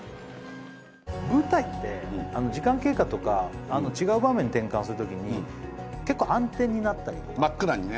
舞台って時間経過とか違う場面に転換する時に結構暗転になったりとか真っ暗にね